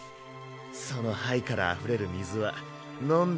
その杯からあふれる水は飲んだ